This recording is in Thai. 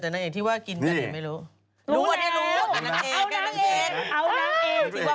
พระเอกรู้จังไงรู้แล้วรู้แล้วพระเอกรู้จังไงรู้แล้วรู้แล้วรู้แล้ว